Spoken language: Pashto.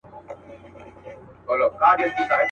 ووایه رویباره پیغامونو ته به څه وایو.